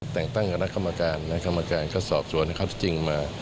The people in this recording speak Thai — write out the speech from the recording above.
แต่งตั้งกับนักคำมาการณ์นักคำมาการณ์ก็สอบสวนให้เขาที่จริงมา